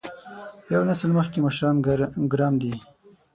یو نسل مخکې مشران ګرم دي.